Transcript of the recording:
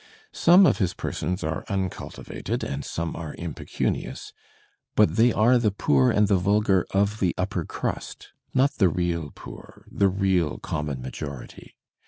Some of his persons are uncultivated and some are impecunious, but they are the poor and the vulgar of the upper crust, not the real poor, the real common majority.